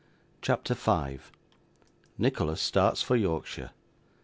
CHAPTER 5 Nicholas starts for Yorkshire.